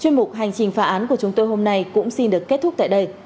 chuyên mục hành trình phá án của chúng tôi hôm nay cũng xin được kết thúc tại đây